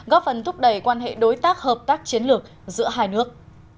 góp phần thúc đẩy quan hệ đối tác hợp tác chiến lược giữa hai nước